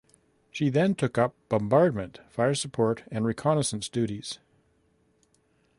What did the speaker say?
She then took up bombardment, fire support and reconnaissance duties.